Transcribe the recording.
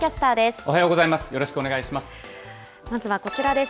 おはようございます。